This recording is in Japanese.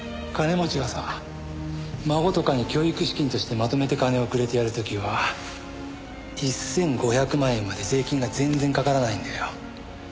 孫とかに教育資金としてまとめて金をくれてやる時は１５００万円まで税金が全然かからないんだよ。